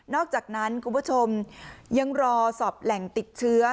อกจากนั้นคุณผู้ชมยังรอสอบแหล่งติดเชื้อ